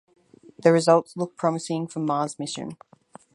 The results looks promising for Mars mission.